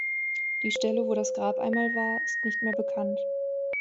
Die Stelle, wo das Grab einmal war, ist nicht mehr bekannt.